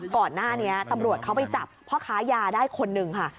ก่อนหน้านี้ตำรวจเขาไปจับพ่อค้ายาได้คนหนึ่งค่ะ